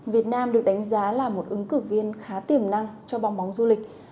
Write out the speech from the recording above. việt nam được đánh giá là một ứng cử viên khá tiềm năng cho bóng bóng du lịch